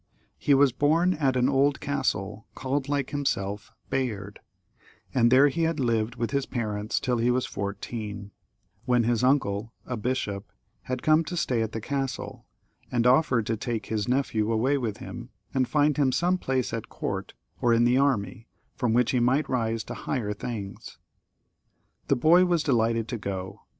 He was bom at an old castle, called like himself Bayard, and there he had lived with his parents till he was fourteen, when his uncle, a bishop, had come to stay at the castle, and offered to take his nephew away with him and find him some place at court or in the army, from which he might rise to higher things. The boy was delighted to go.